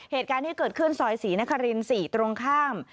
เหตุการณ์ที่เกิดขึ้นซอยศรีนคริน๔ตรงข้าม